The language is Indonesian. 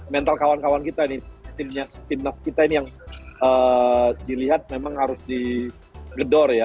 mental kawan kawan kita nih timnas kita ini yang dilihat memang harus digedor ya